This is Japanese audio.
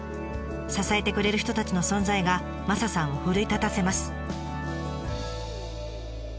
支えてくれる人たちの存在がマサさんを奮い立たせます。